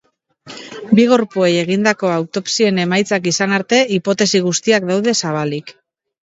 Bi gorpuei egindako autopsien emaitzak izan arte, hipotesi guztiak daude zabalik.